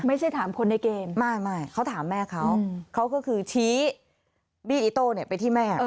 ไม่ใช่ถามคนในเกมไม่เขาถามแม่เขาเขาก็คือชี้บี้อิโต้ไปที่แม่